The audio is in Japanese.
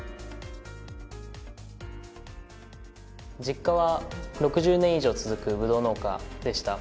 実家は６０年以上続くブドウ農家でした。